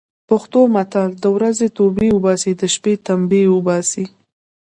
پښتو متل: د ورځې توبې اوباسي، د شپې تمبې اوباسي.